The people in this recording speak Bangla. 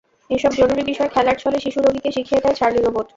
এসব জরুরি বিষয় খেলার ছলে শিশু রোগীকে শিখিয়ে দেয় চার্লি রোবট।